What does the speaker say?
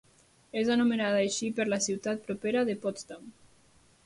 És nomenada així per la ciutat propera de Potsdam.